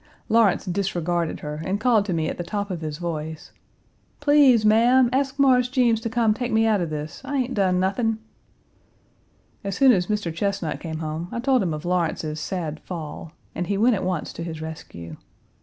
Lawrence disregarded her Page 218 and called to me at the top of his voice: "Please, ma'am, ask Mars Jeems to come take me out of this. I ain't done nothin'." As soon as Mr. Chesnut came home I told him of Lawrence's sad fall, and he went at once to his rescue.